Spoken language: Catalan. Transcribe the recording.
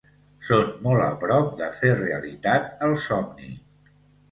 Som molt a prop de fer realitat el somni.